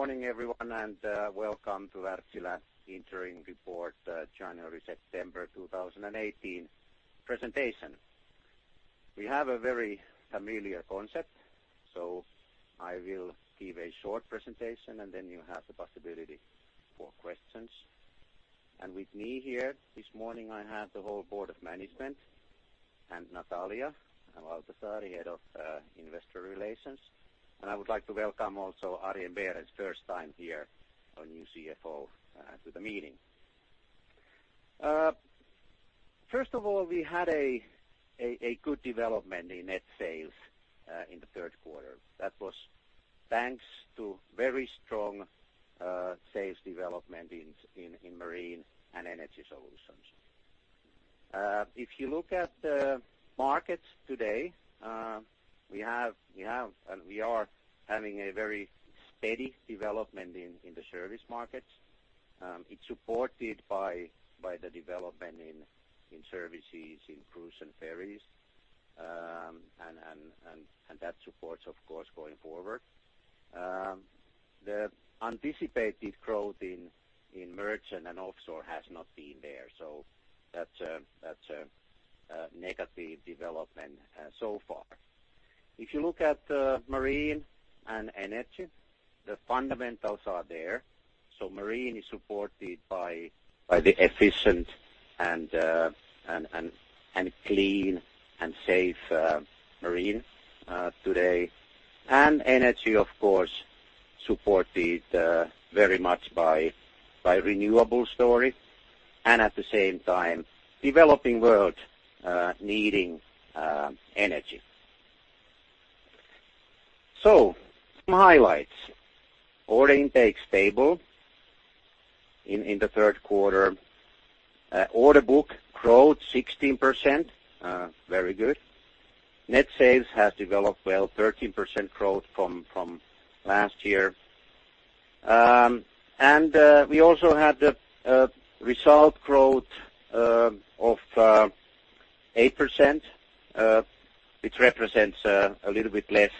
Good morning, everyone, and welcome to Wärtsilä Interim Report January-September 2018 presentation. We have a very familiar concept. I will give a short presentation, then you have the possibility for questions. With me here this morning, I have the whole board of management and Natalia Valtasaari, head of Investor Relations. I would like to welcome also Arjen Berends, his first time here, our new CFO, to the meeting. First of all, we had a good development in net sales in the third quarter. That was thanks to very strong sales development in Marine and Energy Solutions. If you look at the markets today, we are having a very steady development in the service markets. It's supported by the development in services in cruise and ferries, and that supports, of course, going forward. The anticipated growth in merchant and offshore has not been there. That's a negative development so far. If you look at Marine and Energy, the fundamentals are there. Marine is supported by the efficient and clean and safe marine today. Energy, of course, supported very much by renewable story, and at the same time, developing world needing energy. Some highlights. Order intake stable in the third quarter. Order book growth 16%, very good. Net sales has developed well, 13% growth from last year. We also had the result growth of 8%, which represents a little bit less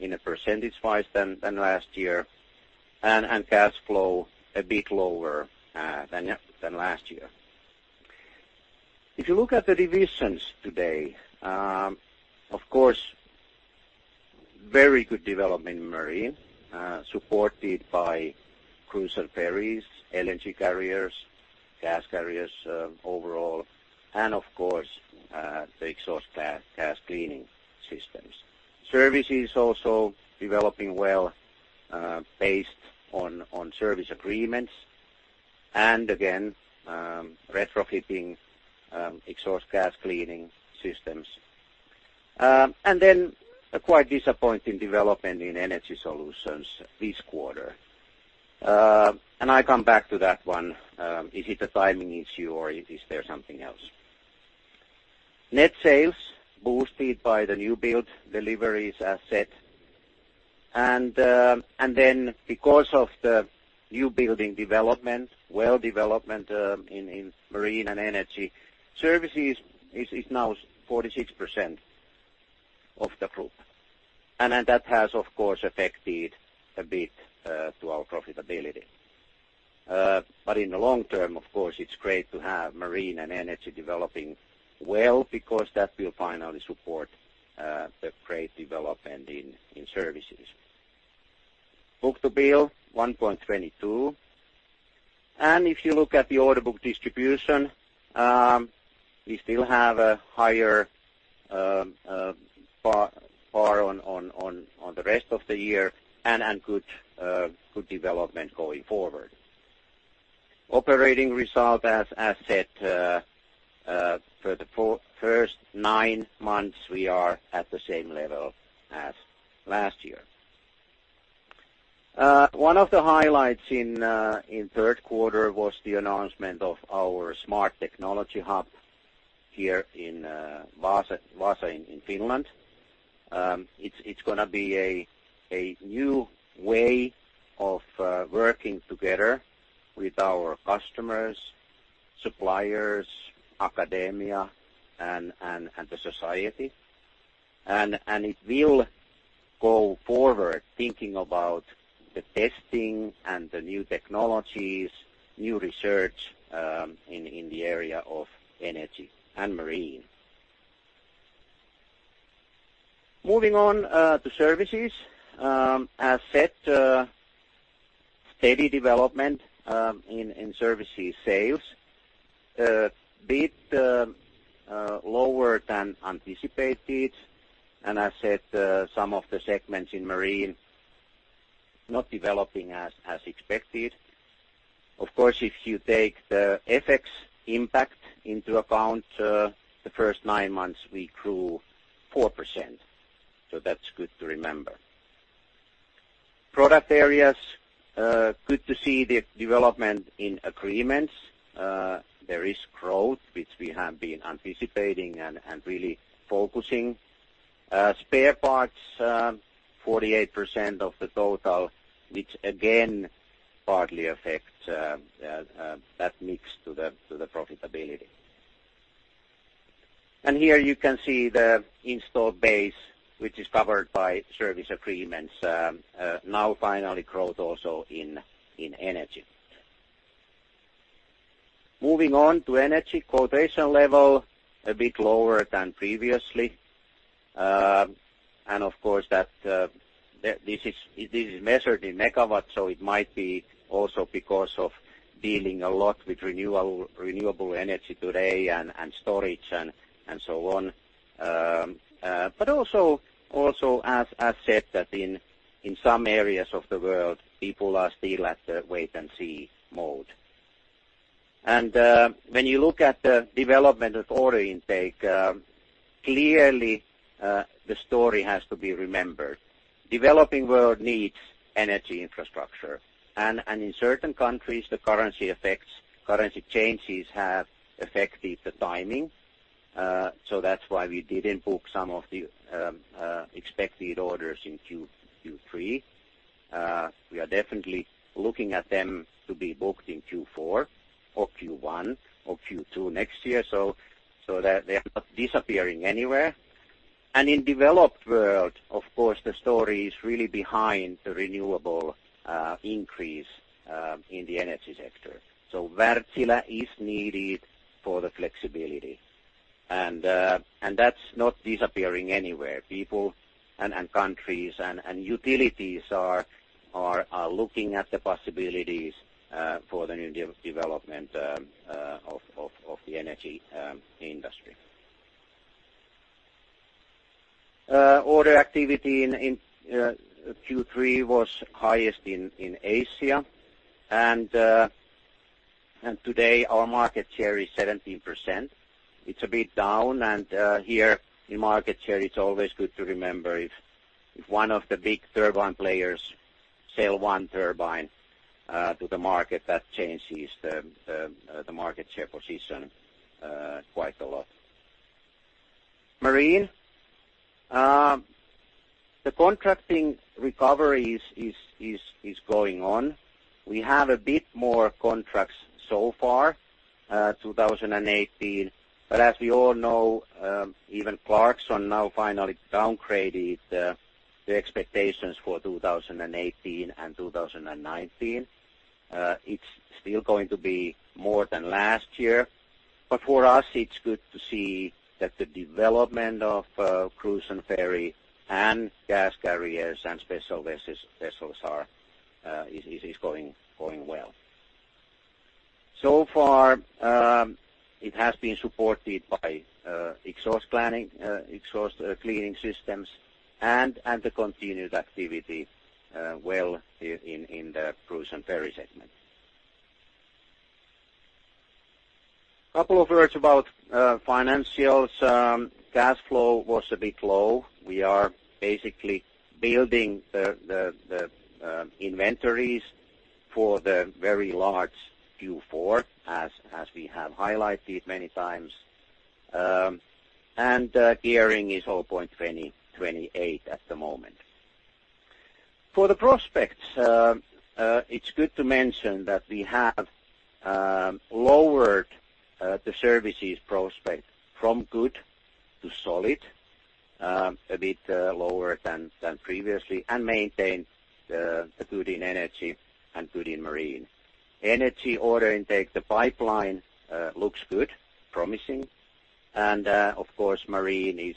in a percentage-wise than last year, and cash flow a bit lower than last year. If you look at the divisions today, of course, very good development in Marine, supported by cruise and ferries, LNG carriers, gas carriers overall, and of course, the exhaust gas cleaning systems. Services is also developing well based on service agreements, and again retrofitting exhaust gas cleaning systems. A quite disappointing development in Energy Solutions this quarter. I come back to that one. Is it a timing issue or is there something else? Net sales boosted by the new build deliveries asset. Because of the new building development, well development in Marine and Energy, Services is now 46% of the group. That has, of course, affected a bit to our profitability. In the long term, of course, it's great to have Marine and Energy developing well because that will finally support the great development in Services. Book-to-bill, 1.22. If you look at the order book distribution, we still have a higher bar on the rest of the year and good development going forward. Operating result as set for the first nine months, we are at the same level as last year. One of the highlights in third quarter was the announcement of our Smart Technology Hub here in Vaasa, in Finland. It's going to be a new way of working together with our customers, suppliers, academia, and the society. It will go forward thinking about the testing and the new technologies, new research in the area of Energy and Marine. Moving on to Services. As said, steady development in Services sales. A bit lower than anticipated. I said some of the segments in Marine not developing as expected. Of course, if you take the FX impact into account, the first nine months, we grew 4%. That's good to remember. Product areas, good to see the development in agreements. There is growth, which we have been anticipating and really focusing. Spare parts, 48% of the total, which again partly affects that mix to the profitability. Here you can see the install base, which is covered by service agreements. Now finally, growth also in Energy. Moving on to Energy quotation level, a bit lower than previously. Of course, this is measured in megawatts, so it might be also because of dealing a lot with renewable energy today and storage and so on. Also, as said, that in some areas of the world, people are still at the wait and see mode. When you look at the development of order intake, clearly, the story has to be remembered. Developing world needs energy infrastructure. In certain countries, the currency changes have affected the timing. That's why we didn't book some of the expected orders in Q3. We are definitely looking at them to be booked in Q4 or Q1 or Q2 next year, they are not disappearing anywhere. In developed world, of course, the story is really behind the renewable increase in the energy sector. Wärtsilä is needed for the flexibility, and that's not disappearing anywhere. People and countries and utilities are looking at the possibilities for the new development of the energy industry. Order activity in Q3 was highest in Asia, today our market share is 17%. It's a bit down, and here in market share, it's always good to remember if one of the big turbine players sell one turbine to the market, that changes the market share position quite a lot. Marine. The contracting recovery is going on. We have a bit more contracts so far, 2018. As we all know, even Clarksons now finally downgraded the expectations for 2018 and 2019. It's still going to be more than last year. For us, it's good to see that the development of cruise and ferry and gas carriers and special vessels is going well. So far, it has been supported by exhaust cleaning systems and the continued activity well in the cruise and ferry segment. Couple of words about financials. Cash flow was a bit low. We are basically building the inventories for the very large Q4, as we have highlighted many times. Gearing is 0.28 at the moment. For the prospects, it's good to mention that we have lowered the services prospect from good to solid, a bit lower than previously, and maintain the good in Energy and good in Marine. Energy order intake, the pipeline looks good, promising. Of course, Marine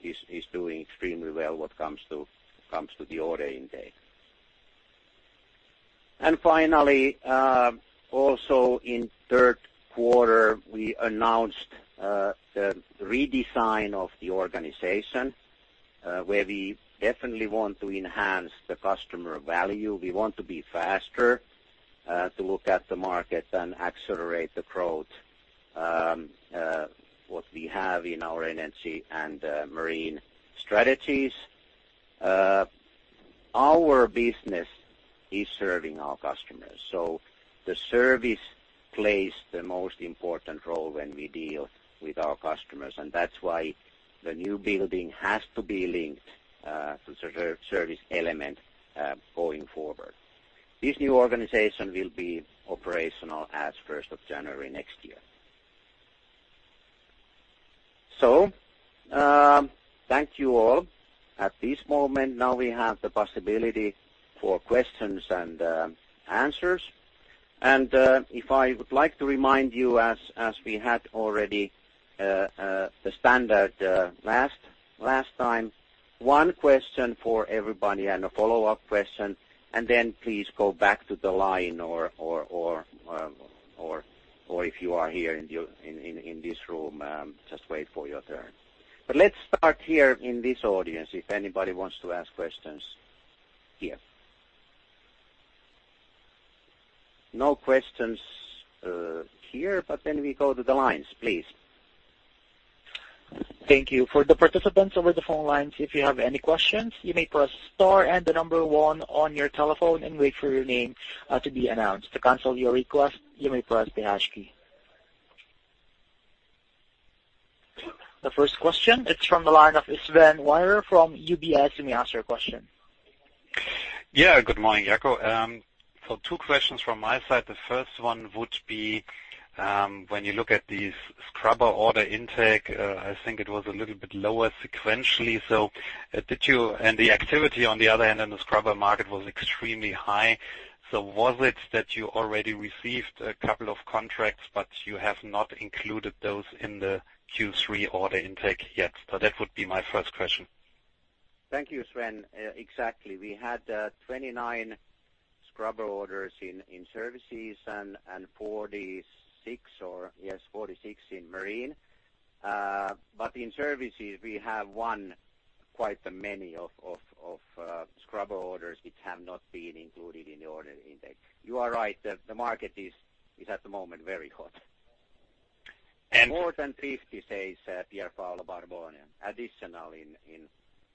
is doing extremely well what comes to the order intake. Finally, also in third quarter, we announced the redesign of the organization, where we definitely want to enhance the customer value. We want to be faster to look at the market and accelerate the growth, what we have in our Energy and Marine strategies. Our business is serving our customers, the service plays the most important role when we deal with our customers, that's why the new building has to be linked to the service element going forward. This new organization will be operational as 1st of January next year. Thank you all. At this moment, now we have the possibility for questions and answers. If I would like to remind you as we had already the standard last time, one question for everybody and a follow-up question. Then please go back to the line or if you are here in this room, just wait for your turn. Let's start here in this audience, if anybody wants to ask questions here. No questions here. Then we go to the lines, please. Thank you. For the participants over the phone lines, if you have any questions, you may press star and the number one on your telephone and wait for your name to be announced. To cancel your request, you may press the hash key. The first question, it's from the line of Sven Weier from UBS. You may ask your question. Good morning, Jaakko. Two questions from my side. The first one would be, when you look at the scrubber order intake, I think it was a little bit lower sequentially. The activity on the other hand in the scrubber market was extremely high. Was it that you already received a couple of contracts, but you have not included those in the Q3 order intake yet? That would be my first question. Thank you, Sven. Exactly. We had 29 scrubber orders in services and 46 in Marine. In services we have won quite many scrubber orders which have not been included in the order intake. You are right, the market is at the moment very hot. More than 50, says Pierpaolo Barbone, additional in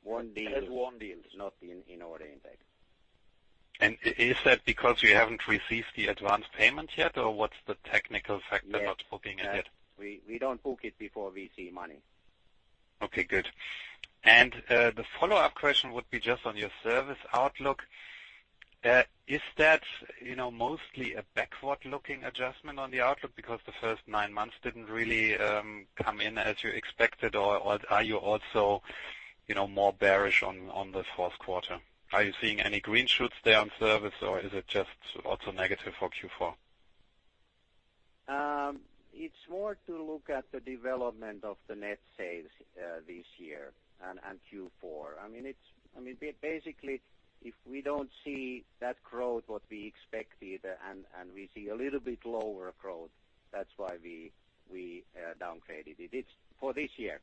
one deal. As one deal. It's not in order intake. Is that because you haven't received the advance payment yet? What's the technical factor not booking it yet? We don't book it before we see money. Okay, good. The follow-up question would be just on your service outlook. Is that mostly a backward-looking adjustment on the outlook because the first nine months didn't really come in as you expected? Or are you also more bearish on the fourth quarter? Are you seeing any green shoots there on service or is it just also negative for Q4? It's more to look at the development of the net sales this year and Q4. Basically, if we don't see that growth what we expected and we see a little bit lower growth, that's why we downgraded it. It's for this year.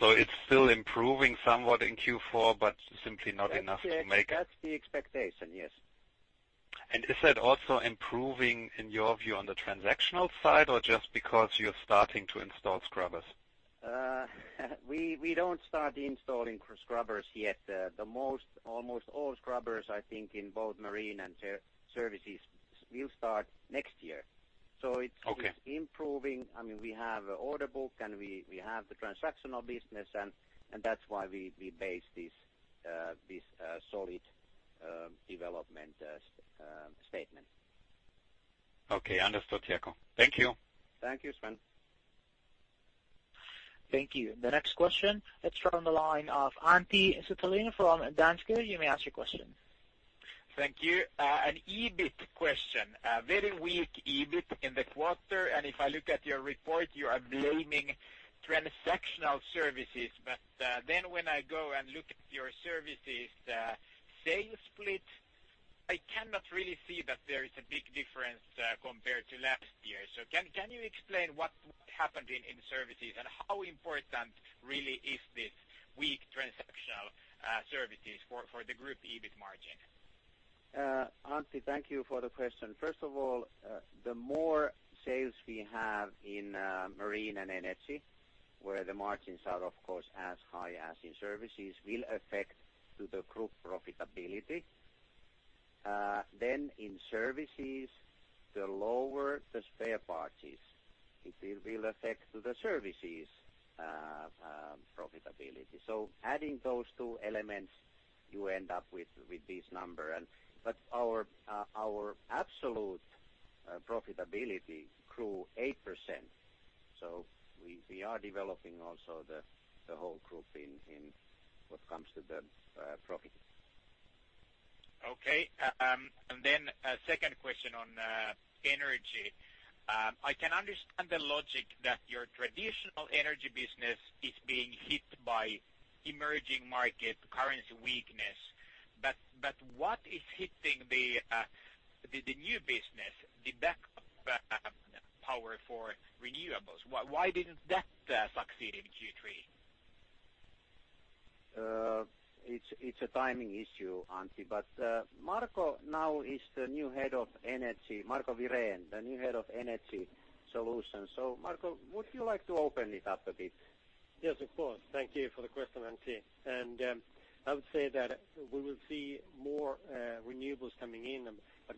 It's still improving somewhat in Q4, but simply not enough to make it. That's the expectation, yes. Is that also improving in your view on the transactional side, or just because you're starting to install scrubbers? We don't start installing scrubbers yet. Almost all scrubbers I think in both marine and services will start next year. Okay. It's improving. We have order book, and we have the transactional business, and that's why we base this solid development statement. Okay. Understood, Jaakko. Thank you. Thank you, Sven. Thank you. The next question, it is from the line of Antti Suttelin from Danske. You may ask your question. Thank you. An EBIT question. Very weak EBIT in the quarter, if I look at your report, you are blaming transactional services. When I go and look at your Services sales split, I cannot really see that there is a big difference compared to last year. Can you explain what happened in Services and how important really is this weak transactional services for the group EBIT margin? Antti, thank you for the question. First of all, the more sales we have in Marine and Energy, where the margins are of course as high as in Services, will affect to the group profitability. In Services, the lower the spare parts, it will affect to the Services profitability. Adding those two elements, you end up with this number. Our absolute profitability grew 8%, we are developing also the whole group in what comes to the profit. Okay. Then a second question on energy. I can understand the logic that your traditional energy business is being hit by emerging market currency weakness, but what is hitting the new business, the backup power for renewables? Why didn't that succeed in Q3? It's a timing issue, Antti, but Marco now is the new head of Energy. Marco Wirén, the new head of Energy Solutions. Marco, would you like to open it up a bit? Yes, of course. Thank you for the question, Antti. I would say that we will see more renewables coming in,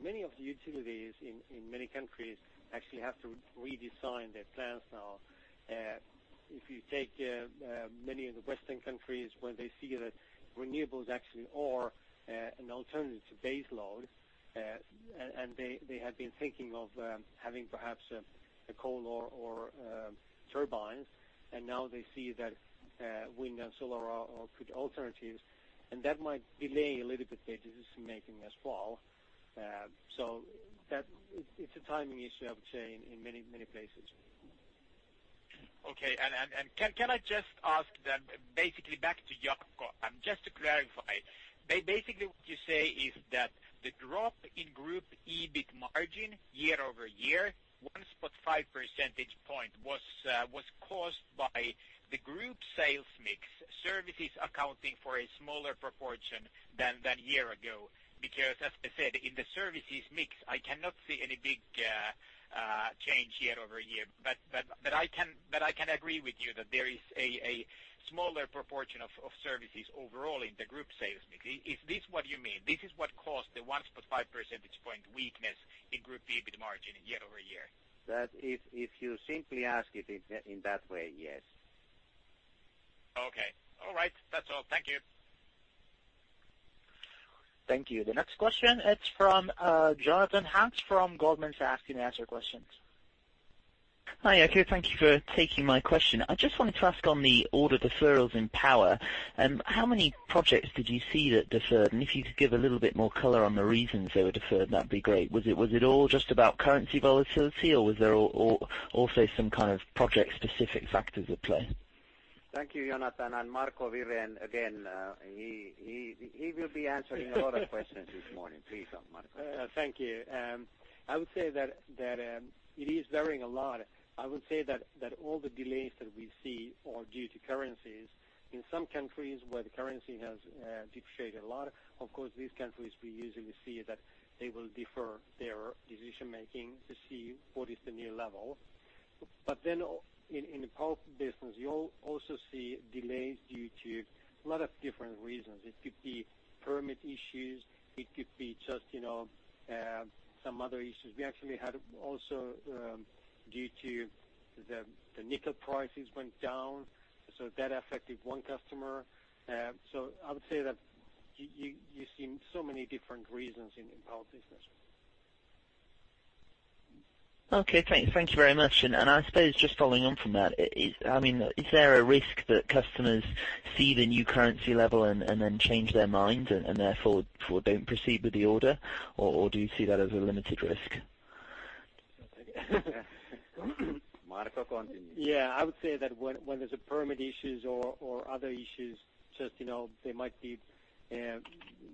many of the utilities in many countries actually have to redesign their plants now. If you take many of the Western countries, when they see that renewables actually are an alternative to base load, they had been thinking of having perhaps a coal or turbines, now they see that wind and solar are good alternatives, that might delay a little bit their decision making as well. It's a timing issue, I would say, in many places. Okay. Can I just ask then, basically back to Jaakko, just to clarify. Basically what you say is that the drop in group EBIT margin year-over-year, 1.5 percentage point, was caused by the group sales mix services accounting for a smaller proportion than year ago. As I said, in the services mix, I cannot see any big change year-over-year. I can agree with you that there is a smaller proportion of services overall in the group sales mix. Is this what you mean? This is what caused the 1.5 percentage point weakness in group EBIT margin year-over-year? If you simply ask it in that way, yes. Okay. All right. That's all. Thank you. Thank you. The next question, it's from Jonathan Hunt from Goldman Sachs. You can ask your questions. Hi, Jaakko. Thank you for taking my question. I just wanted to ask on the order deferrals in power, how many projects did you see that deferred? If you could give a little bit more color on the reasons they were deferred, that'd be great. Was it all just about currency volatility, or was there also some kind of project-specific factors at play? Thank you, Jonathan, and Marco Wirén again. He will be answering a lot of questions this morning. Please, Marco. Thank you. I would say that it is varying a lot. I would say that all the delays that we see are due to currencies. In some countries where the currency has depreciated a lot, of course, these countries we usually see that they will defer their decision-making to see what is the new level. In the power business, you also see delays due to a lot of different reasons. It could be permit issues, it could be just some other issues. We actually had also due to the nickel prices went down, that affected one customer. I would say that you see so many different reasons in the power business. Okay, thanks. Thank you very much. I suppose just following on from that, is there a risk that customers see the new currency level and then change their minds and therefore don't proceed with the order? Or do you see that as a limited risk? Marco, continue. Yeah, I would say that when there's a permit issues or other issues, just they might be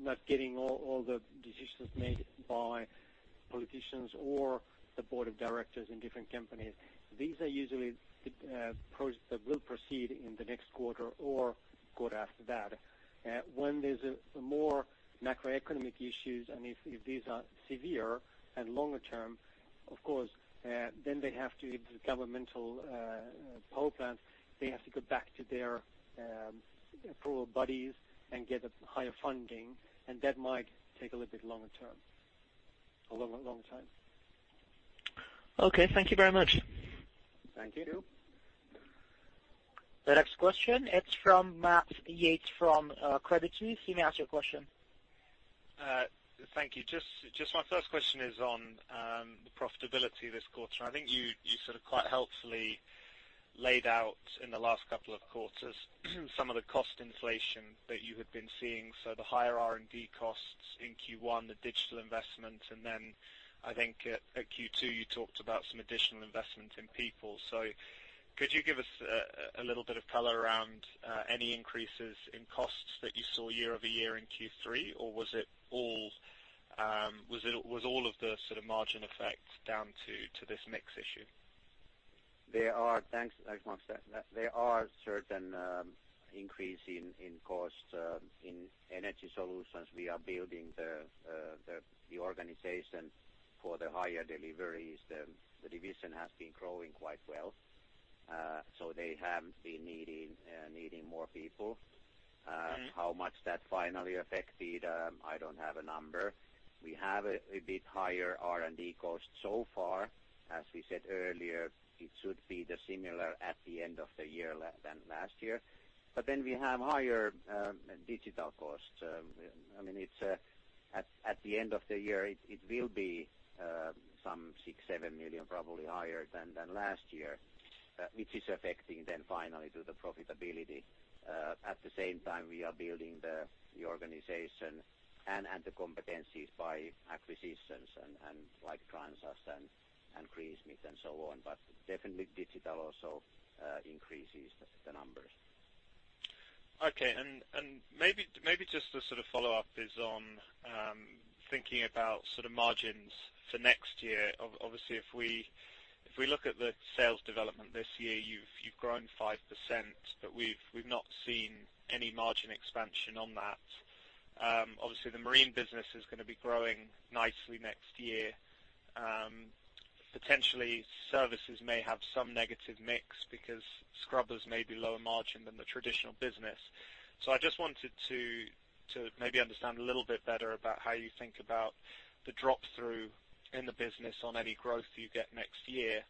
not getting all the decisions made by politicians or the board of directors in different companies. These are usually the projects that will proceed in the next quarter or quarter after that. When there's more macroeconomic issues, if these are severe and longer term, of course, they have to, if it's governmental power plant, they have to go back to their approval bodies and get a higher funding, and that might take a little bit longer term, a long time. Okay, thank you very much. Thank you. The next question, it's from Max Yates from Credit Suisse. You may ask your question. Thank you. Just my first question is on the profitability this quarter. I think you sort of quite helpfully laid out in the last couple of quarters some of the cost inflation that you had been seeing, so the higher R&D costs in Q1, the digital investment, I think at Q2, you talked about some additional investment in people. Could you give us a little bit of color around any increases in costs that you saw year-over-year in Q3? Was all of the sort of margin effect down to this mix issue? Thanks, Max. There are certain increase in cost in Energy Solutions. We are building the organization for the higher deliveries. The division has been growing quite well. They have been needing more people. How much that finally affected, I don't have a number. We have a bit higher R&D cost so far. As we said earlier, it should be similar at the end of the year than last year. We have higher digital costs. At the end of the year, it will be some 6 million-7 million, probably higher than last year, which is affecting then finally to the profitability. At the same time, we are building the organization and the competencies by acquisitions and Transas and Greensmith and so on. Definitely digital also increases the numbers. Okay. Maybe just to sort of follow up is on thinking about sort of margins for next year. Obviously, if we look at the sales development this year, you've grown 5%, but we've not seen any margin expansion on that. Obviously, the Marine business is going to be growing nicely next year. Potentially, services may have some negative mix because scrubbers may be lower margin than the traditional business. I just wanted to maybe understand a little bit better about how you think about the drop through in the business on any growth you get next year,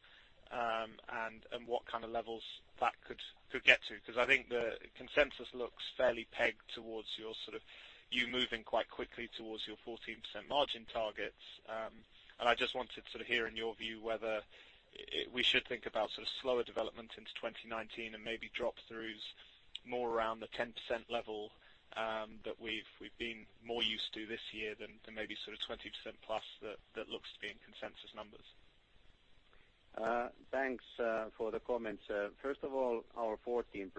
and what kind of levels that could get to, because I think the consensus looks fairly pegged towards you moving quite quickly towards your 14% margin targets. I just wanted to hear in your view whether we should think about sort of slower development into 2019 and maybe drop-throughs more around the 10% level that we've been more used to this year than maybe sort of 20% plus that looks to be in consensus numbers. Thanks for the comments. First of all, our 14%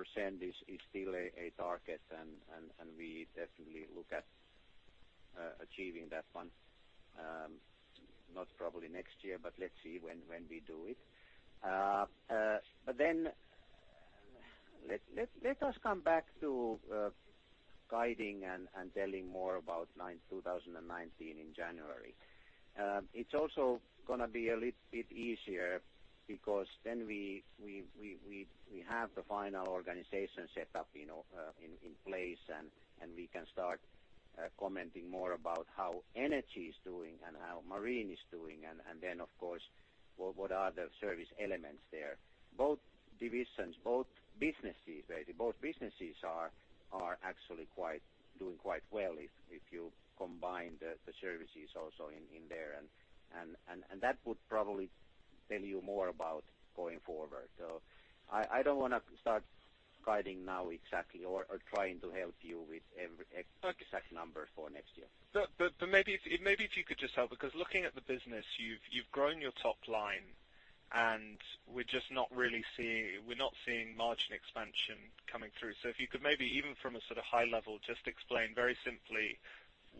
is still a target, and we definitely look at achieving that one, not probably next year, but let's see when we do it. Let us come back to guiding and telling more about 2019 in January. It is also going to be a little bit easier because then we have the final organization set up in place, and we can start commenting more about how Energy is doing and how Marine is doing, and then of course, what are the service elements there. Both divisions, both businesses are actually doing quite well if you combine the services also in there, and that would probably tell you more about going forward. I don't want to start guiding now exactly, or trying to help you with. Okay exact number for next year. Maybe if you could just help, because looking at the business, you've grown your top line, and we're just not seeing margin expansion coming through. If you could maybe, even from a high level, just explain very simply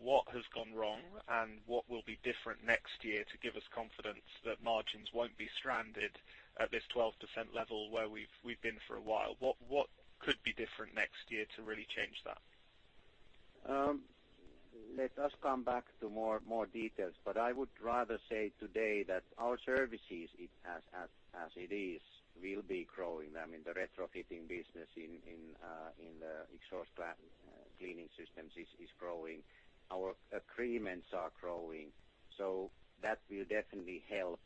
what has gone wrong and what will be different next year to give us confidence that margins won't be stranded at this 12% level where we've been for a while. What could be different next year to really change that? Let us come back to more details. I would rather say today that our services, as it is, will be growing. I mean, the retrofitting business in the exhaust gas cleaning systems is growing. Our agreements are growing. That will definitely help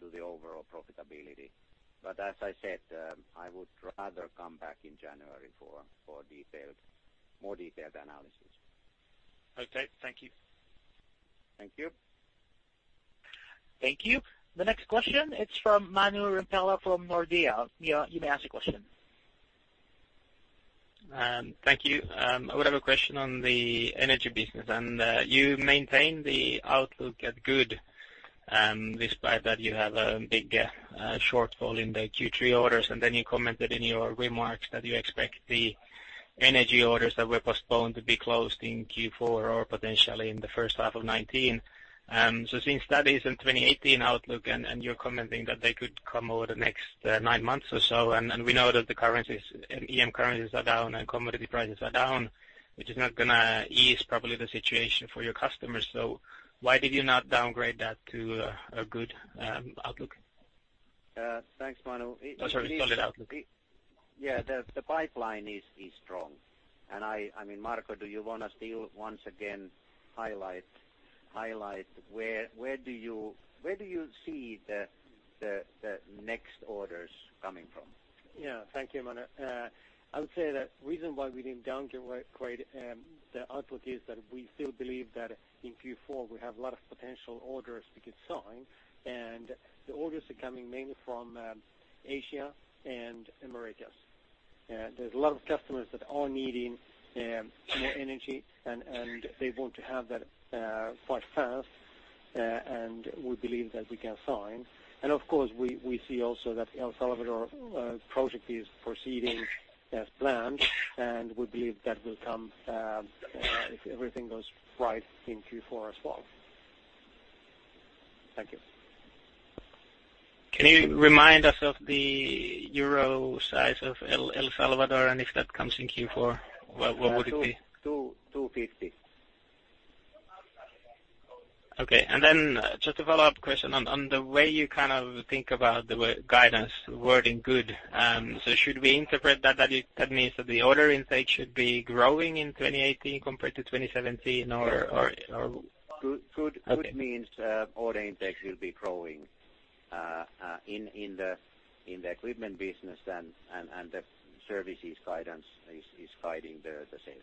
to the overall profitability. As I said, I would rather come back in January for more detailed analysis. Okay. Thank you. Thank you. Thank you. The next question is from Manu Rimpelä from Nordea. You may ask your question. Thank you. I would have a question on the energy business. You maintain the outlook at good, despite that you have a big shortfall in the Q3 orders, then you commented in your remarks that you expect the energy orders that were postponed to be closed in Q4 or potentially in the first half of 2019. Since that is in 2018 outlook and you're commenting that they could come over the next nine months or so, and we know that the currencies, EM currencies are down and commodity prices are down, which is not going to ease probably the situation for your customers. Why did you not downgrade that to a good outlook? Thanks, Manu. Oh, sorry. Solid outlook. Yeah, the pipeline is strong. Marco, do you want to still once again highlight where do you see the next orders coming from? Yeah, thank you, Manu. I would say that reason why we didn't downgrade the outlook is that we still believe that in Q4, we have a lot of potential orders we could sign, and the orders are coming mainly from Asia and Emirates. There's a lot of customers that are needing more energy, and they want to have that quite fast, and we believe that we can sign. Of course, we see also that El Salvador project is proceeding as planned, and we believe that will come, if everything goes right, in Q4 as well. Thank you. Can you remind us of the EUR size of El Salvador? If that comes in Q4, what would it be? 250. Okay. Just a follow-up question on the way you think about the guidance wording, good. Should we interpret that means that the order intake should be growing in 2018 compared to 2017? Good means order intake will be growing in the equipment business and the services guidance is guiding the sales.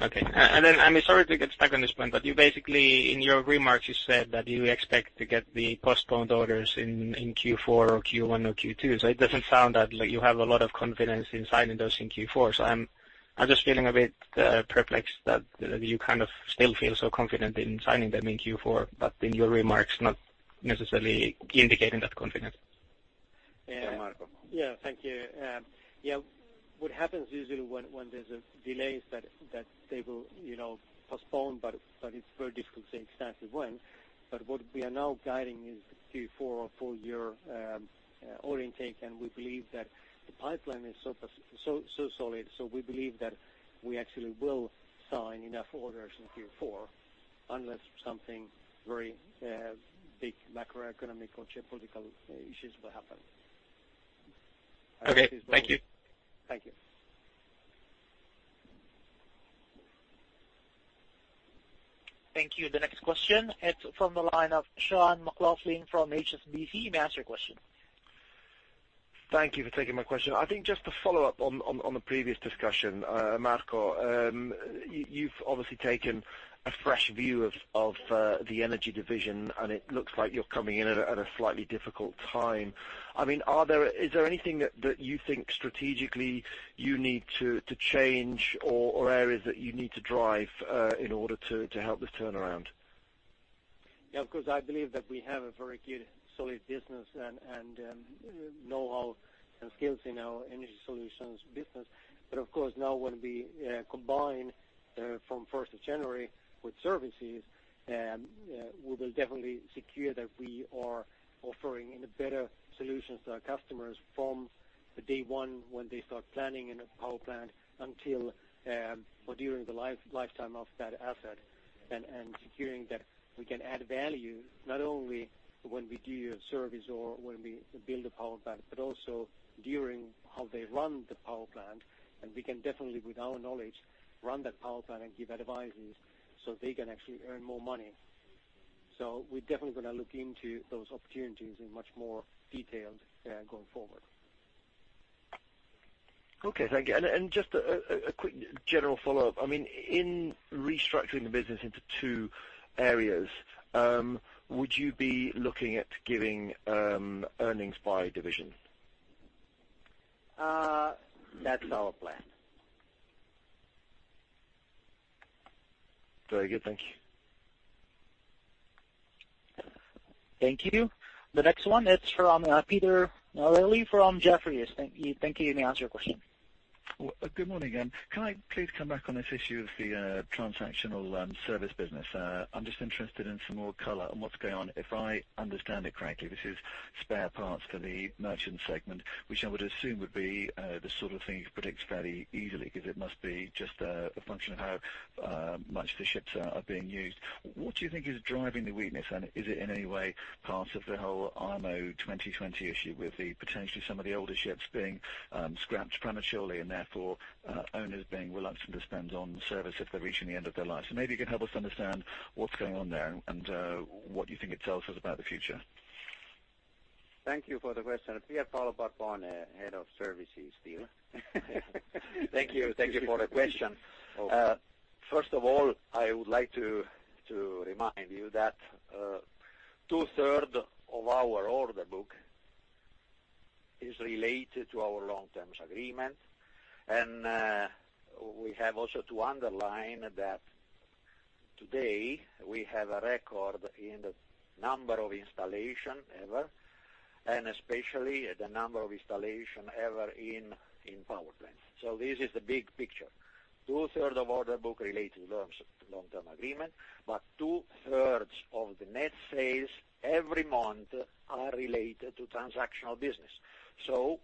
Okay. I'm sorry to get stuck on this point, you basically, in your remarks, you said that you expect to get the postponed orders in Q4 or Q1 or Q2. It doesn't sound that you have a lot of confidence in signing those in Q4. I'm just feeling a bit perplexed that you still feel so confident in signing them in Q4, in your remarks, not necessarily indicating that confidence. Yeah. Marco. Yeah. Thank you. What happens usually when there's a delay is that they will postpone, but it's very difficult to say exactly when. What we are now guiding is Q4 for your order intake, and we believe that the pipeline is so solid, so we believe that we actually will sign enough orders in Q4, unless something very big macroeconomically or geopolitical issues will happen. Okay. Thank you. Thank you. Thank you. The next question, it's from the line of Sean McLoughlin from HSBC. You may ask your question. Thank you for taking my question. I think just to follow up on the previous discussion, Marco, you've obviously taken a fresh view of the Energy Solutions, it looks like you're coming in at a slightly difficult time. Is there anything that you think strategically you need to change or areas that you need to drive in order to help this turnaround? Yeah, of course, I believe that we have a very good, solid business and know-how and skills in our Energy Solutions business. Of course, now when we combine from 1st of January with Services, we will definitely secure that we are offering even better solutions to our customers from the day one when they start planning in a power plant until or during the lifetime of that asset. Securing that we can add value not only when we do a service or when we build a power plant, but also during how they run the power plant. We can definitely, with our knowledge, run that power plant and give advices so they can actually earn more money. We're definitely going to look into those opportunities in much more detail going forward. Okay, thank you. Just a quick general follow-up. In restructuring the business into two areas, would you be looking at giving earnings by division? That's our plan. Very good. Thank you. Thank you. The next one, it's from Peter O'Leary from Jefferies. Thank you. You may ask your question. Good morning. Can I please come back on this issue of the transactional service business? I'm just interested in some more color on what's going on. If I understand it correctly, this is spare parts for the merchant segment, which I would assume would be the sort of thing you could predict fairly easily, because it must be just a function of how much the ships are being used. What do you think is driving the weakness, and is it in any way part of the whole IMO 2020 issue, with potentially some of the older ships being scrapped prematurely, and therefore, owners being reluctant to spend on service if they're reaching the end of their lives? Maybe you can help us understand what's going on there, and what you think it tells us about the future. Thank you for the question. Pierpaolo Barbone, Head of Services, to you. Thank you. Thank you for the question. First of all, I would like to remind you that two-thirds of our order book is related to our long-term agreement. We have also to underline that today, we have a record in the number of installation ever, and especially, the number of installation ever in power plants. This is the big picture. Two-thirds of order book related to long-term agreement, but two-thirds of the net sales every month are related to transactional business.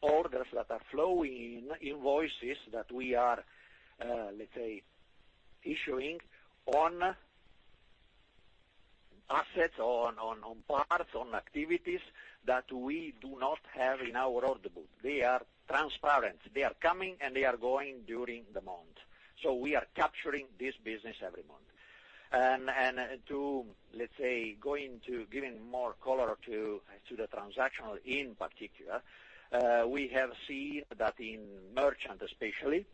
Orders that are flowing in, invoices that we are, let's say, issuing on assets, on parts, on activities that we do not have in our order book. They are transparent. They are coming, and they are going during the month. We are capturing this business every month. To, let's say, giving more color to the transactional, in particular, we have seen that in merchant, especially,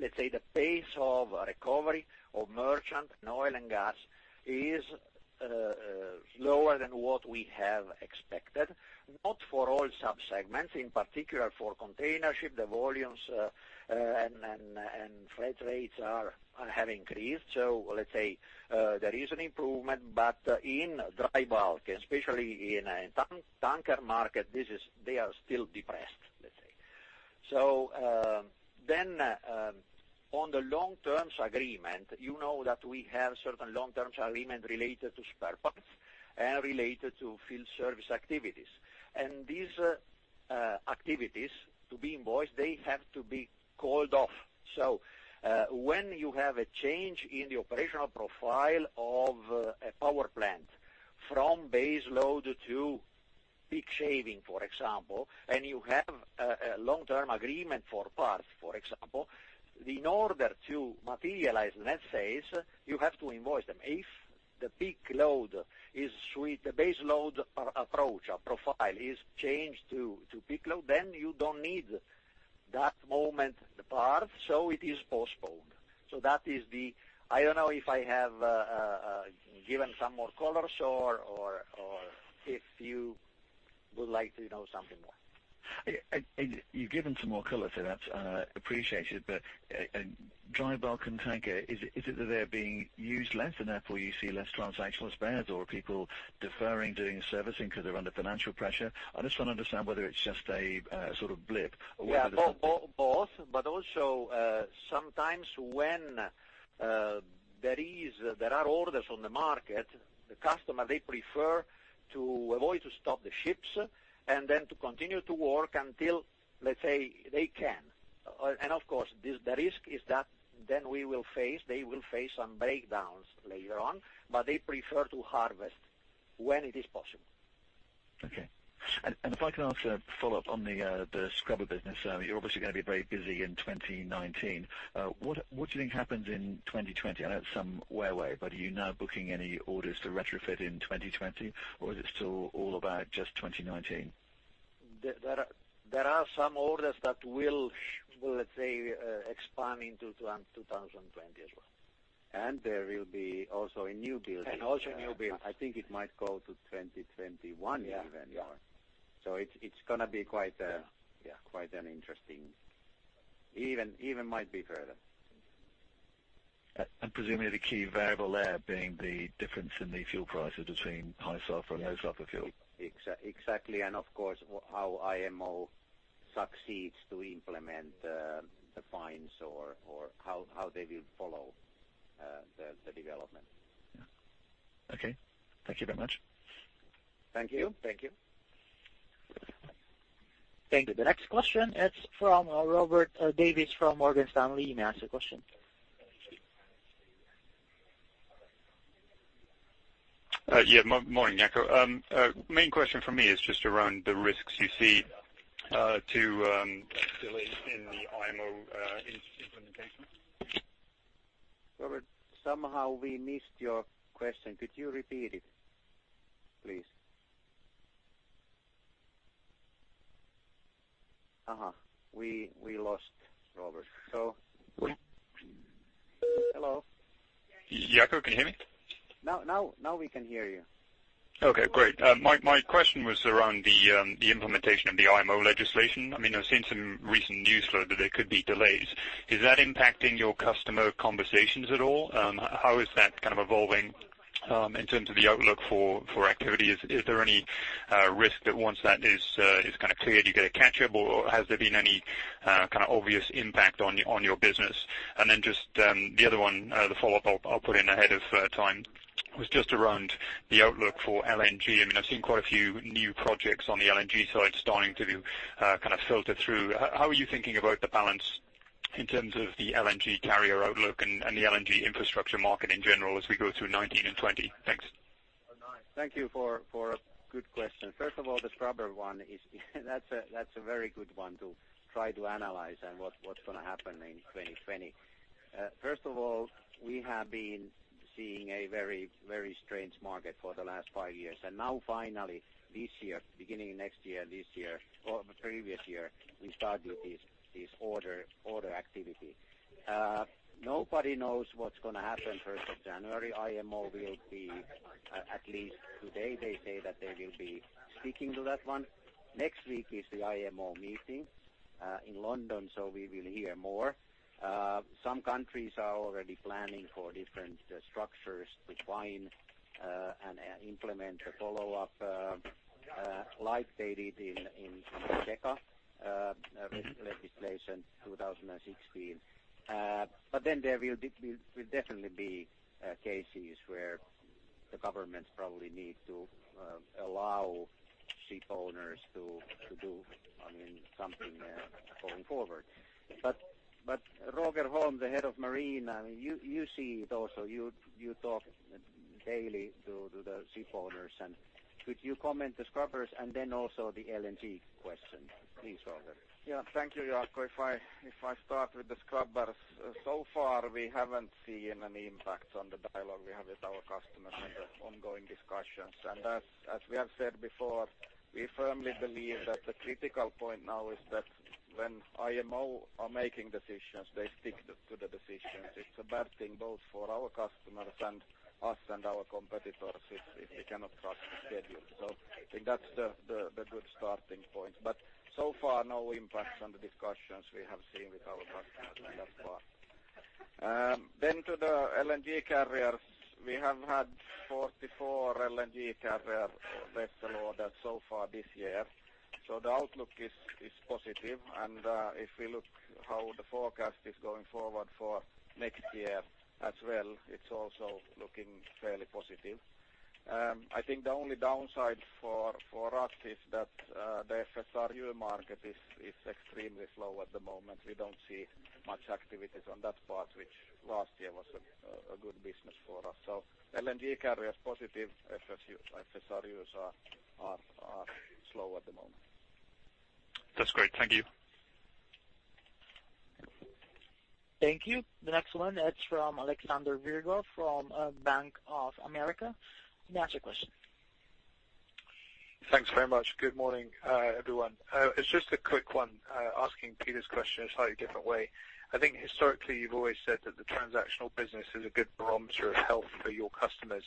let's say, the pace of recovery of merchant and oil and gas is lower than what we have expected. Not for all sub-segments, in particular, for container ship, the volumes and freight rates have increased. Let's say, there is an improvement. In dry bulk, especially in tanker market, they are still depressed, let's say. On the long-term agreement, you know that we have certain long-term agreement related to spare parts and related to field service activities. These activities, to be invoiced, they have to be called off. When you have a change in the operational profile of a power plant from base load to peak shaving, for example, and you have a long-term agreement for parts, for example, in order to materialize net sales, you have to invoice them. If the peak load is sweet, the base load approach or profile is changed to peak load, you don't need that moment the part, it is postponed. I don't know if I have given some more colors or if you would like to know something more. You've given some more color, that's appreciated. Dry bulk and tanker, is it that they're being used less and therefore you see less transactional spares, or are people deferring doing servicing because they're under financial pressure? I just want to understand whether it's just a sort of blip or whether. Yeah. Both, also, sometimes when there are orders on the market, the customer, they prefer to avoid to stop the ships, then to continue to work until, let's say, they can. Of course, the risk is that then they will face some breakdowns later on, they prefer to harvest when it is possible. Okay. If I can ask a follow-up on the scrubber business. You're obviously going to be very busy in 2019. What do you think happens in 2020? I know it's some way away, are you now booking any orders to retrofit in 2020, or is it still all about just 2019? There are some orders that will, let's say, expand into 2020 as well. There will be also a new building. Also a new build. I think it might go to 2021 even more. Yeah. It's going to be. Yeah Quite an interesting. Even might be further. Presumably the key variable there being the difference in the fuel prices between high sulfur and low sulfur fuel. Exactly. Of course, how IMO succeeds to implement the fines or how they will follow the development. Yeah. Okay. Thank you very much. Thank you. Thank you. Thank you. The next question is from Robert Davies from Morgan Stanley. You may ask your question. Morning, Jaakko. Main question from me is just around the risks you see to delays in the IMO implementation. Robert, somehow we missed your question. Could you repeat it, please? We lost Robert. Hello? Jaakko, can you hear me? Now we can hear you. Okay, great. My question was around the implementation of the IMO legislation. I've seen some recent news flow that there could be delays. Is that impacting your customer conversations at all? How is that evolving in terms of the outlook for activity? Is there any risk that once that is cleared, you get a catch-up, or has there been any obvious impact on your business? Just the other one, the follow-up I'll put in ahead of time, was just around the outlook for LNG. I've seen quite a few new projects on the LNG side starting to filter through. How are you thinking about the balance in terms of the LNG carrier outlook and the LNG infrastructure market in general as we go through 2019 and 2020? Thanks. Thank you for a good question. First of all, the scrubber one is that's a very good one to try to analyze and what's going to happen in 2020. First of all, we have been seeing a very strange market for the last five years. Now finally, this year, beginning next year, this year, or previous year, we started this order activity. Nobody knows what's going to happen 1st of January. IMO will be, at least today, they say that they will be sticking to that one. Next week is the IMO meeting, in London, we will hear more. Some countries are already planning for different structures to twine, and implement a follow-up, like they did in, ECA legislation 2016. There will definitely be cases where the governments probably need to allow ship owners to do something going forward. Roger Holm, the head of marine, you see it also. You talk daily to the ship owners and could you comment the scrubbers and then also the LNG question, please, Roger? Yeah. Thank you, Jaakko. If I start with the scrubbers. So far, we haven't seen any impacts on the dialogue we have with our customers and the ongoing discussions. As we have said before, we firmly believe that the critical point now is that when IMO are making decisions, they stick to the decisions. It's a bad thing both for our customers and us and our competitors if we cannot trust the schedule. I think that's the good starting point. So far, no impacts on the discussions we have seen with our partners so far. Then to the LNG carriers, we have had 44 LNG carrier vessel orders so far this year. The outlook is positive. If we look how the forecast is going forward for next year as well, it's also looking fairly positive. I think the only downside for us is that the FSRU market is extremely slow at the moment. We don't see much activities on that part, which last year was a good business for us. LNG carrier is positive. FSRUs are slow at the moment. That's great. Thank you. Thank you. The next one, it's from Alexander Virgo from, Bank of America. You can ask your question. Thanks very much. Good morning, everyone. It's just a quick one, asking Peter's question a slightly different way. I think historically, you've always said that the transactional business is a good barometer of health for your customers.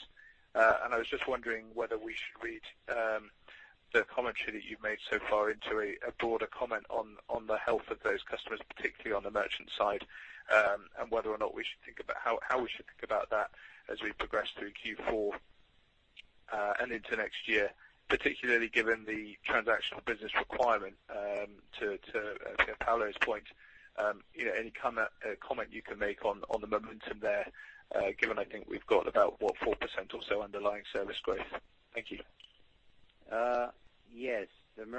I was just wondering whether we should read the commentary that you've made so far into a broader comment on the health of those customers, particularly on the merchant side, whether or not we should think about how we should think about that as we progress through Q4, and into next year, particularly given the transactional business requirement, to Pierpaolo's point. Any comment you can make on the momentum there, given I think we've got about what, 4% or so underlying service growth? Thank you. Yes. In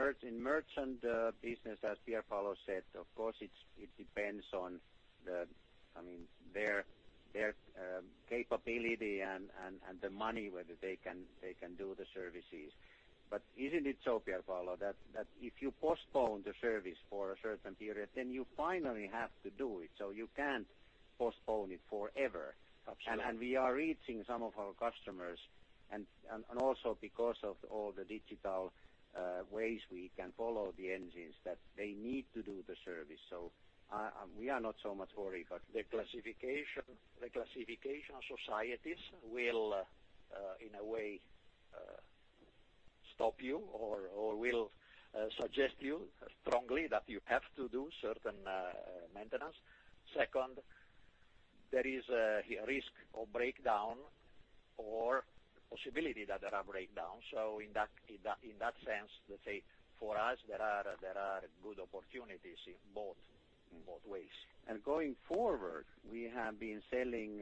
merchant business, as Pierpaolo said, of course, it depends on their capability and the money, whether they can do the services. Isn't it so, Pierpaolo, that if you postpone the service for a certain period, you finally have to do it, you can't postpone it forever. Absolutely. We are reaching some of our customers, also because of all the digital ways we can follow the engines that they need to do the service. We are not so much worried about. The classification societies will, in a way, stop you or will suggest you strongly that you have to do certain maintenance. Second, there is a risk of breakdown or possibility that there are breakdowns. In that sense, let's say for us, there are good opportunities in both ways. Going forward, we have been selling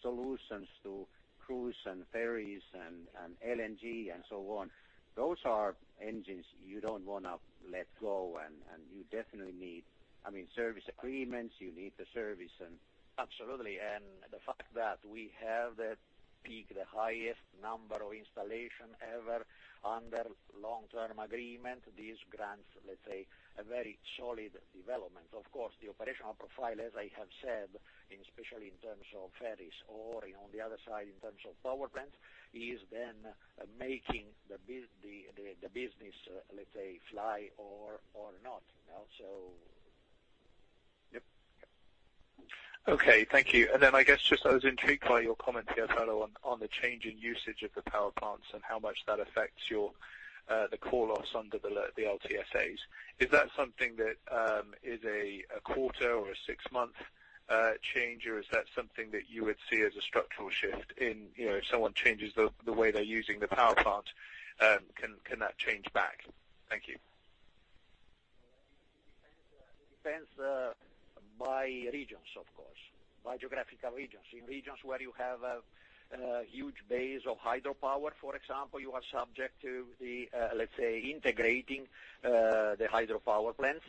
solutions to cruise and ferries and LNG and so on. Those are engines you don't want to let go, and you definitely need service agreements. You need the service. Absolutely. The fact that we have the peak, the highest number of installation ever under long-term agreement, this grants, let's say, a very solid development. Of course, the operational profile, as I have said, especially in terms of ferries or on the other side, in terms of power plants, is then making the business, let's say, fly or not. Yep. Okay, thank you. Then I was intrigued by your comment here, Pierpaolo, on the change in usage of the power plants and how much that affects the call loss under the LTSAs. Is that something that is a quarter or a six-month change, or is that something that you would see as a structural shift if someone changes the way they're using the power plant, can that change back? Thank you. It depends by regions, of course, by geographical regions. In regions where you have a huge base of hydropower, for example, you are subject to, let's say, integrating the hydropower plants,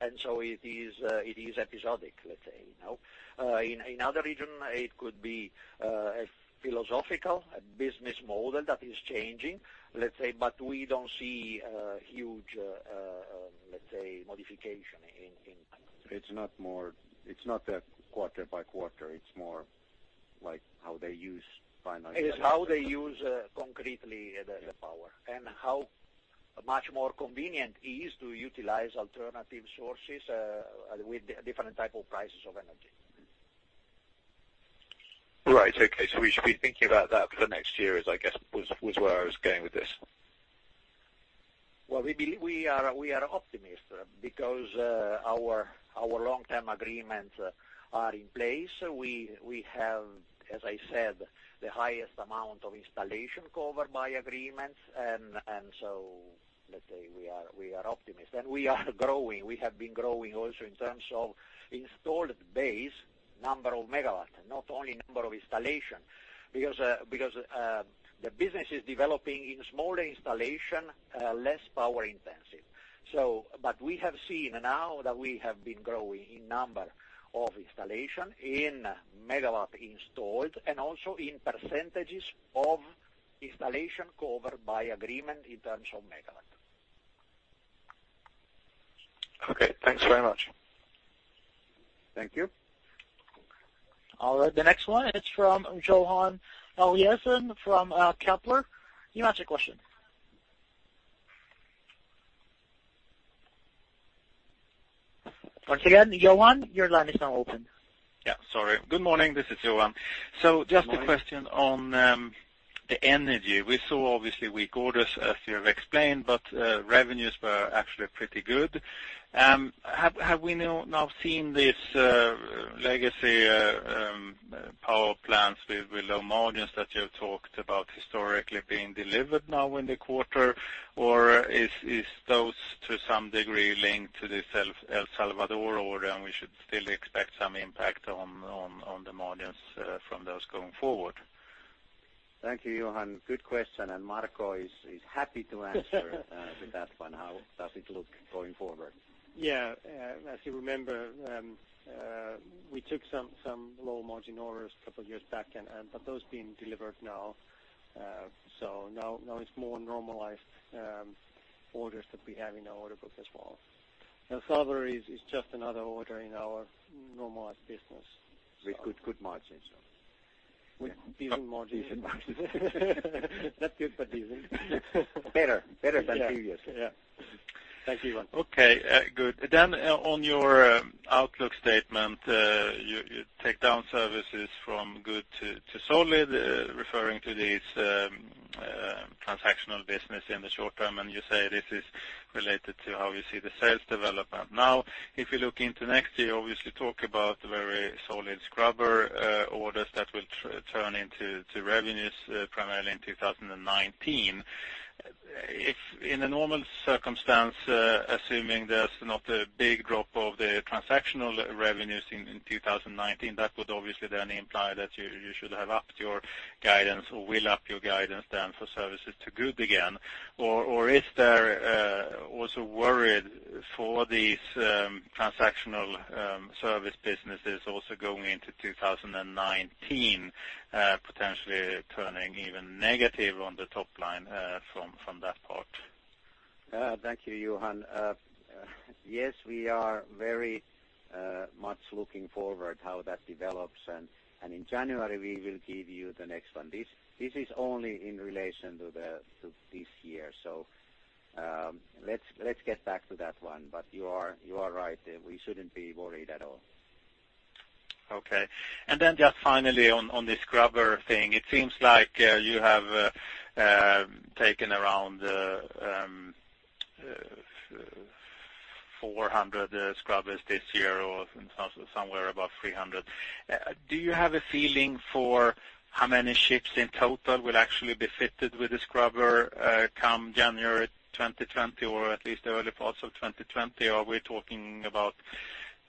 and so it is episodic, let's say. In other region, it could be a philosophical, a business model that is changing, let's say, but we don't see huge modification in that. It's not quarter by quarter. It's more like how they use finally. It is how they use concretely the power and how much more convenient is to utilize alternative sources, with different type of prices of energy. Right. Okay. We should be thinking about that for the next year, I guess, was where I was going with this. We are optimist because our long-term agreement are in place. We have, as I said, the highest amount of installation covered by agreements, so let's say we are optimist and we are growing. We have been growing also in terms of installed base, number of megawatts, not only number of installation. Because the business is developing in smaller installation, less power intensive. We have seen now that we have been growing in number of installation, in megawatt installed, and also in percentages of installation covered by agreement in terms of megawatt. Thanks very much. Thank you. The next one, it's from Johan Eliason from Kepler. You may ask your question. Once again, Johan, your line is now open. Yeah. Sorry. Good morning. This is Johan. Good morning. Just a question on the energy. We saw obviously weak orders, as you have explained, but revenues were actually pretty good. Have we now seen these legacy power plants with low margins that you have talked about historically being delivered now in the quarter? Or is those to some degree linked to this El Salvador order, and we should still expect some impact on the margins from those going forward? Thank you, Johan. Good question, Marco is happy to answer with that one, how does it look going forward? Yeah. As you remember, we took some low-margin orders a couple of years back, but those being delivered now. Now it's more normalized orders that we have in our order book as well. El Salvador is just another order in our normal business. With good margins. With decent margins. Decent margins. Not good, but decent. Better. Better than previously. Yeah. Thanks, Johan. Good. On your outlook statement, you take down services from good to solid, referring to these transactional business in the short term, and you say this is related to how you see the sales development. If you look into next year, obviously talk about very solid scrubber orders that will turn into revenues primarily in 2019. If in a normal circumstance, assuming there's not a big drop of the transactional revenues in 2019, that would obviously then imply that you should have upped your guidance or will up your guidance then for services to good again. Is there also worried for these transactional service businesses also going into 2019, potentially turning even negative on the top line from that part? Thank you, Johan. Yes, we are very much looking forward how that develops, in January, we will give you the next one. This is only in relation to this year. Let's get back to that one. You are right, we shouldn't be worried at all. Okay. Just finally on the scrubber thing, it seems like you have taken around 400 scrubbers this year or somewhere above 300. Do you have a feeling for how many ships in total will actually be fitted with a scrubber come January 2020 or at least early parts of 2020? Are we talking about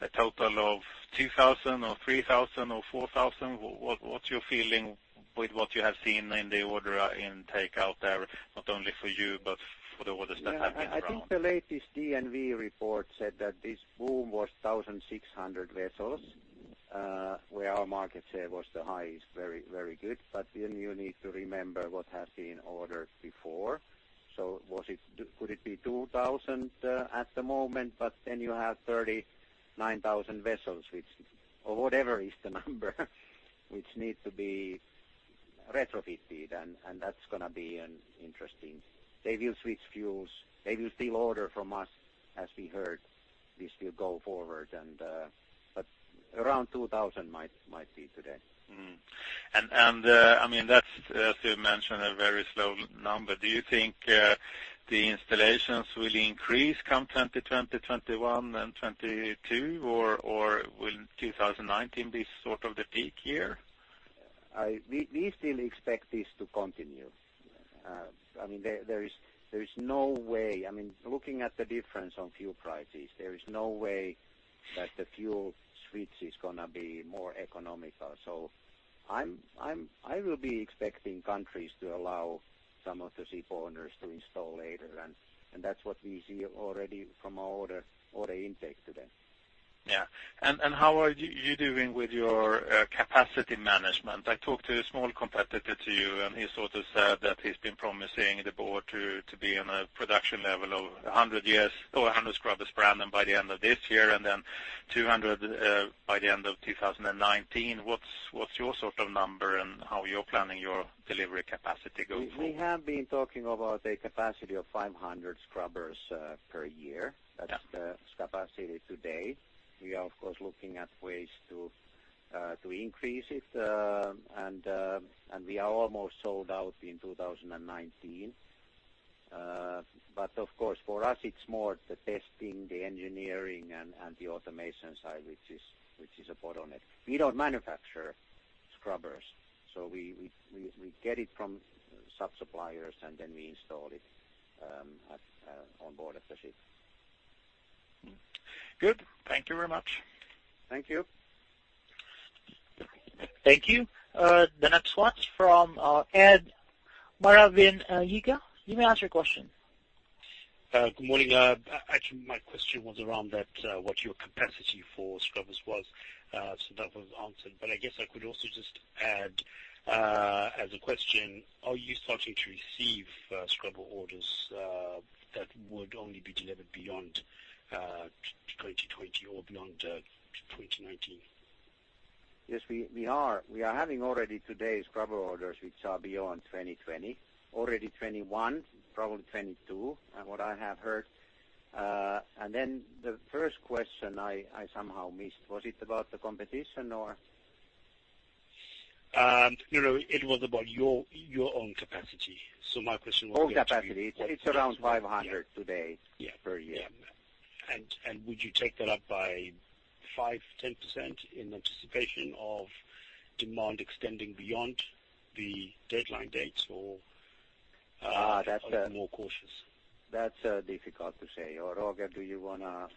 a total of 2,000 or 3,000 or 4,000? What's your feeling with what you have seen in the order intake out there, not only for you, but for the orders that have been around? I think the latest DNV report said that this boom was 1,600 vessels, where our market share was the highest, very good, you need to remember what has been ordered before. Could it be 2,000 at the moment? You have 39,000 vessels, or whatever is the number, which need to be Retrofit it, that's going to be interesting. They will switch fuels. They will still order from us, as we heard, this will go forward. Around 2,000 might see today. Mm-hmm. That's, as you mentioned, a very slow number. Do you think the installations will increase come 2020, 2021, and 2022? Will 2019 be sort of the peak year? We still expect this to continue. There is no way, looking at the difference on fuel prices, there is no way that the fuel switch is going to be more economical. I will be expecting countries to allow some of the ship owners to install later, and that's what we see already from our order intake today. Yeah. How are you doing with your capacity management? I talked to a small competitor to you, and he sort of said that he's been promising the board to be on a production level of 100 scrubbers by the end of this year, and then 200 by the end of 2019. What's your number and how you're planning your delivery capacity going forward? We have been talking about a capacity of 500 scrubbers per year. Yeah. That's the capacity today. We are, of course, looking at ways to increase it. We are almost sold out in 2019. Of course, for us it's more the testing, the engineering, and the automation side, which is a bottleneck. We don't manufacture scrubbers. We get it from sub-suppliers, and then we install it on board of the ship. Good. Thank you very much. Thank you. Thank you. The next one from Ed Moravin at Jega. You may ask your question. Good morning. Actually, my question was around what your capacity for scrubbers was. That was answered. I guess I could also just add as a question, are you starting to receive scrubber orders that would only be delivered beyond 2020 or beyond 2019? Yes, we are. We are having already today scrubber orders which are beyond 2020, already 2021, probably 2022, and what I have heard. The first question I somehow missed. Was it about the competition or? No. It was about your own capacity. My question would be. Oh, capacity. It's around 500 today. Yeah. Per year. Yeah. Would you take that up by 5%, 10% in anticipation of demand extending beyond the deadline dates or are you more cautious? That's difficult to say. Roger, do you want to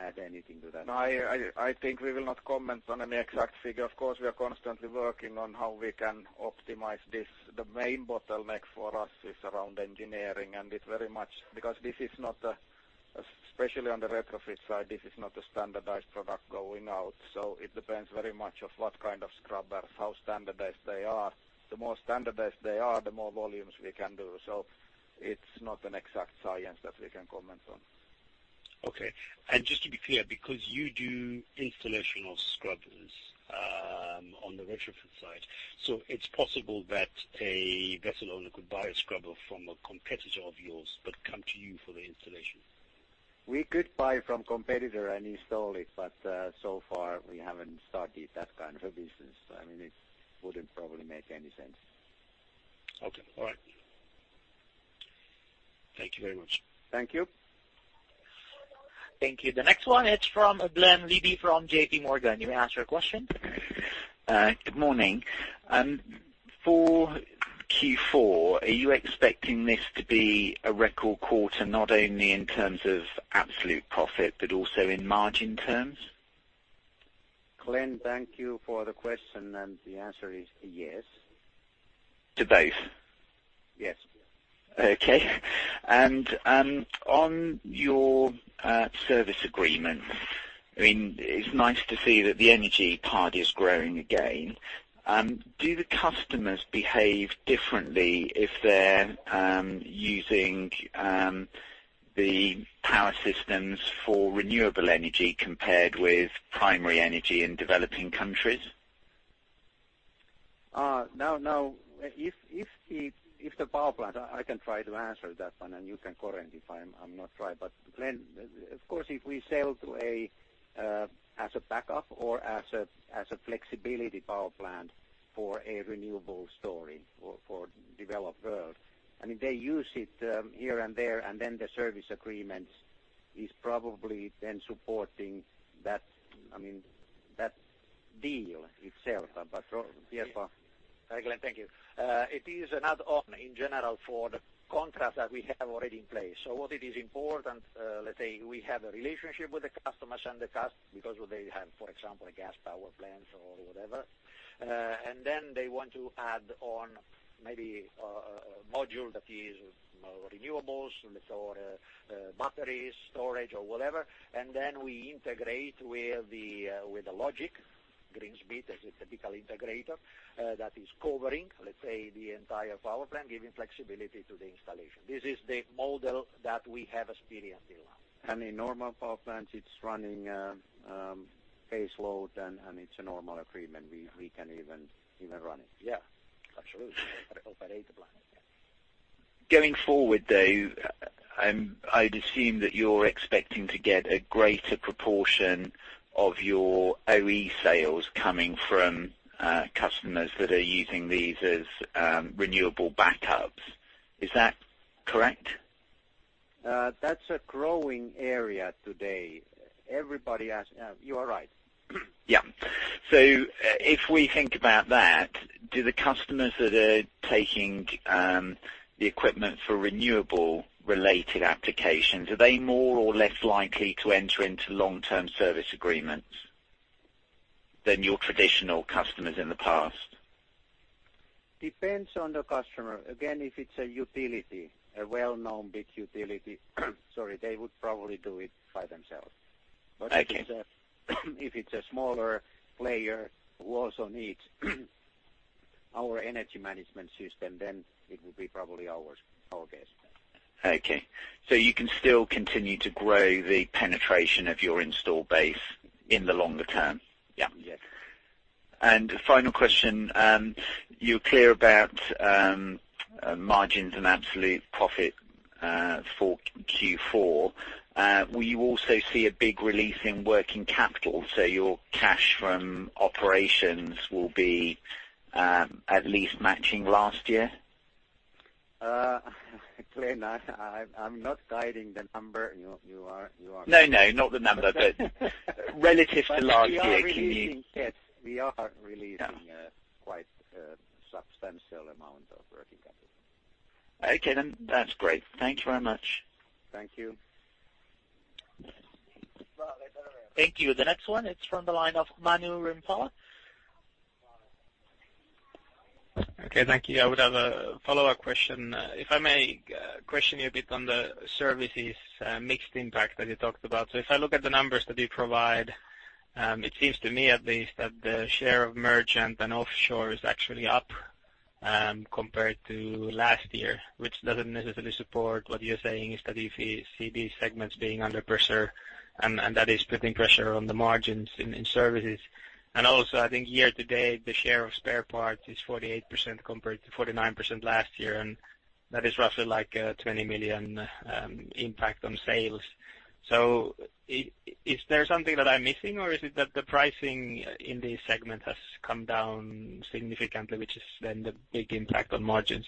add anything to that? No, I think we will not comment on any exact figure. Of course, we are constantly working on how we can optimize this. The main bottleneck for us is around engineering, and it very much, because this is not, especially on the retrofit side, this is not a standardized product going out. It depends very much of what kind of scrubber, how standardized they are. The more standardized they are, the more volumes we can do. It's not an exact science that we can comment on. Just to be clear, because you do installation of scrubbers on the retrofit side, it's possible that a vessel owner could buy a scrubber from a competitor of yours, but come to you for the installation? We could buy from competitor and install it, so far we haven't started that kind of a business. It wouldn't probably make any sense. Okay. All right. Thank you very much. Thank you. Thank you. The next one, it's from Glen Liddy from JP Morgan. You may ask your question. Good morning. For Q4, are you expecting this to be a record quarter, not only in terms of absolute profit, but also in margin terms? Glenn, thank you for the question, and the answer is yes. To both? Yes. On your service agreement, it's nice to see that the energy part is growing again. Do the customers behave differently if they're using the power systems for renewable energy compared with primary energy in developing countries? If the power plant, I can try to answer that one. You can correct me if I'm not right. Glenn, of course, if we sell to as a backup or as a flexibility power plant for a renewable storage for developed world, they use it here and there. The service agreement is probably then supporting that deal itself. Pierpaolo? Hi, Glenn. Thank you. It is not often in general for the contracts that we have already in place. What it is important, let's say we have a relationship with the customers, because they have, for example, a gas power plant or whatever. They want to add on maybe a module that is renewables, let's say, or batteries storage or whatever. We integrate with the logic, Greensmith Energy as a typical integrator, that is covering, let's say, the entire power plant, giving flexibility to the installation. This is the model that we have experienced a lot. In normal power plant, it's running base load and it's a normal agreement. We can even run it. Yeah, absolutely. Operate the plant, yeah. Going forward, though, I'd assume that you're expecting to get a greater proportion of your OE sales coming from customers that are using these as renewable backups. Is that correct? That's a growing area today. Everybody asks. You are right. Yeah. If we think about that, do the customers that are taking the equipment for renewable-related applications, are they more or less likely to enter into Long-Term Service Agreements than your traditional customers in the past? Depends on the customer. Again, if it's a utility, a well-known big utility, they would probably do it by themselves. Okay. If it's a smaller player who also needs our energy management system, then it will be probably ours, I'll guess. Okay. You can still continue to grow the penetration of your install base in the longer term? Yeah. Final question. You're clear about margins and absolute profit for Q4. Will you also see a big release in working capital, so your cash from operations will be at least matching last year? Glenn, I'm not guiding the number. You are- No, not the number, but- -relative to last year, can you- We are releasing quite a substantial amount of working capital. Okay, then. That's great. Thank you very much. Thank you. Thank you. The next one, it's from the line of Manu Rimpelä. Okay, thank you. I would have a follow-up question. If I may question you a bit on the services mixed impact that you talked about. If I look at the numbers that you provide, it seems to me at least that the share of merchant and offshore is actually up compared to last year, which doesn't necessarily support what you're saying, is that if you see these segments being under pressure, and that is putting pressure on the margins in services. I think year-to-date, the share of spare parts is 48% compared to 49% last year, and that is roughly like a 20 million impact on sales. Is there something that I'm missing, or is it that the pricing in this segment has come down significantly, which is then the big impact on margins?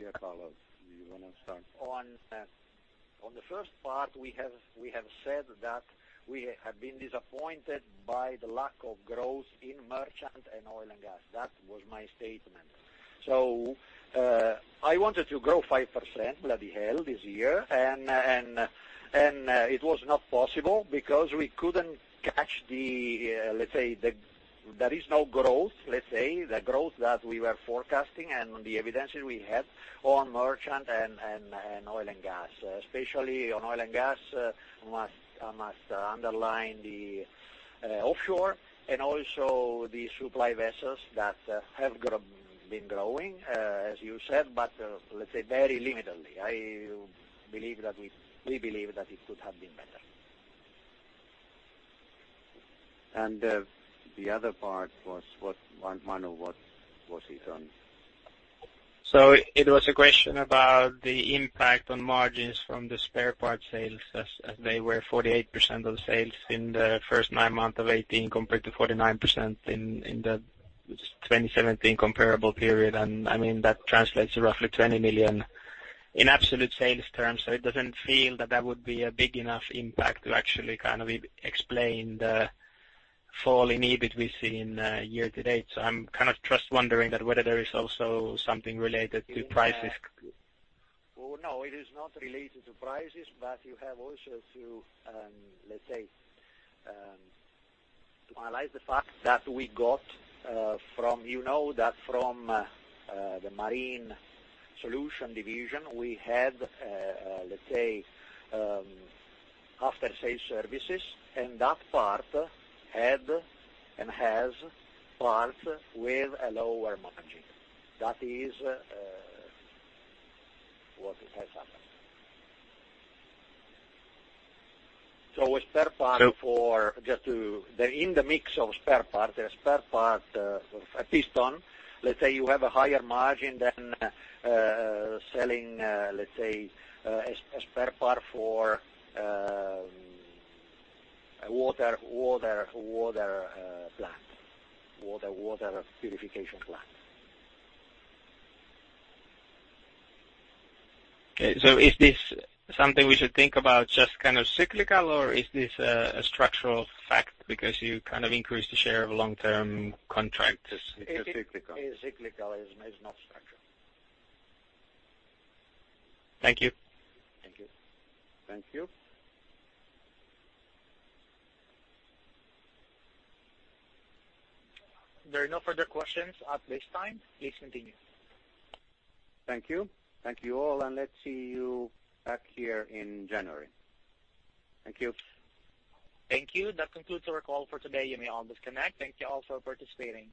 Pierpaolo, do you want to start? On the first part, we have said that we have been disappointed by the lack of growth in merchant and oil and gas. That was my statement. I wanted to grow 5%, bloody hell, this year, and it was not possible because we couldn't catch the, let's say, there is no growth, let's say, the growth that we were forecasting and the evidences we had on merchant and oil and gas. Especially on oil and gas, I must underline the offshore and also the supply vessels that have been growing, as you said, but let's say, very limitedly. We believe that it could have been better. The other part was what, Manu, was it on? It was a question about the impact on margins from the spare parts sales, as they were 48% of sales in the first nine months of 2018, compared to 49% in the 2017 comparable period. That translates to roughly 20 million in absolute sales terms. It doesn't feel that that would be a big enough impact to actually kind of explain the fall in EBIT we've seen year-to-date. I'm kind of just wondering that whether there is also something related to prices. No, it is not related to prices, but you have also to, let's say, to analyze the fact that we got from the Marine Solutions division, we had, let's say, after-sale services, and that part had and has parts with a lower margin. That is what has happened. A spare part Just to, in the mix of spare part, a spare part, a piston, let's say you have a higher margin than selling, let's say, a spare part for a water purification plant. Is this something we should think about just kind of cyclical, or is this a structural fact because you kind of increased the share of long-term contracts? It's cyclical. It's cyclical. It's not structural. Thank you. Thank you. Thank you. There are no further questions at this time. Please continue. Thank you. Thank you all. Let's see you back here in January. Thank you. Thank you. That concludes our call for today. You may all disconnect. Thank you all for participating.